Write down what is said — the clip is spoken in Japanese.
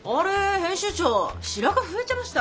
編集長白髪増えちゃいました？